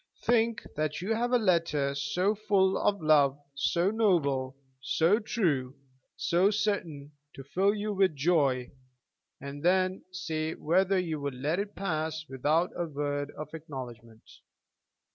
Think that you have a letter so full of love, so noble, so true, so certain to fill you with joy, and then say whether you would let it pass without a word of acknowledgment.